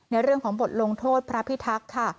ในเรื่องของบทลงโทษพระพิทักษ์ค่ะ